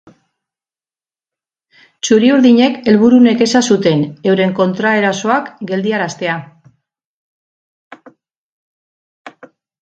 Txuri-urdinek helburu nekeza zuten, euren kontraerasoak geldiaraztea.